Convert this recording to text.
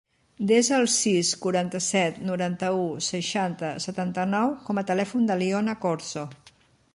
Desa el sis, quaranta-set, noranta-u, seixanta, setanta-nou com a telèfon de l'Iona Corzo.